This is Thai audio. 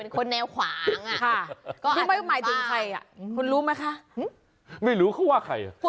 คุณรู้ไหมคะฮึคุณนะคะไม่รู้เขาว่าใคร